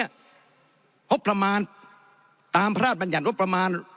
งบประมาณตามพระราชบัญญัติงบประมาณ